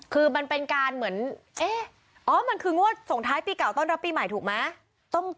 คือมันเป็นการเหมือนเอ๊ะอ๋อมันคืองวดส่งท้ายปีเก่าต้อนรับปีใหม่ถูกไหม